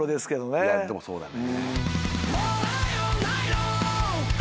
でもそうだね。